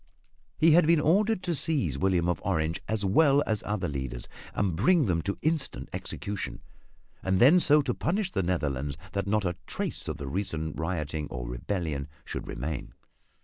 He had been ordered to seize William of Orange as well as other leaders and bring them to instant execution, and then so to punish the Netherlands that not a trace of the recent rioting or rebellion should remain.